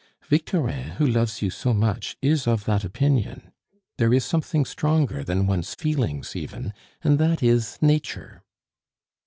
Victorin, who loves you so much, is of that opinion. There is something stronger than one's feelings even, and that is Nature!"